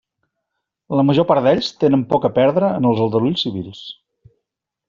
La major part d'ells tenen poc a perdre en els aldarulls civils.